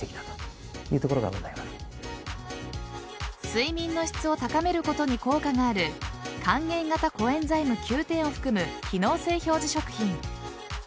睡眠の質を高めることに効果がある還元型コエンザイムＱ１０を含む機能性表示食品。